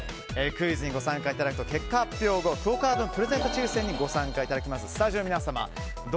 クイズにご参加いただくと結果発表後クオ・カードペイのプレゼント抽選にご参加いただけます。